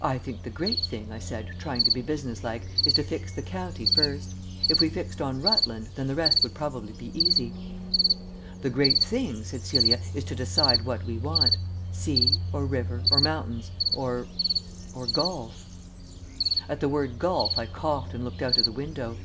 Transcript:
"I think the great thing," I said, trying to be businesslike, "is to fix the county first. If we fixed on Rutland, then the rest would probably be easy." "The great thing," said Celia, "is to decide what we want. Sea, or river, or mountains, or or golf." At the word golf I coughed and looked out of the window.